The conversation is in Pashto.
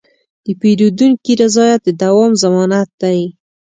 د پیرودونکي رضایت د دوام ضمانت دی.